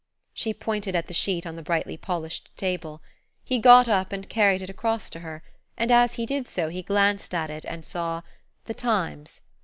She pointed at the sheet on the brightly polished table. He got up and carried it across to her, and as he did so he glanced at it and saw:– THE TIMES.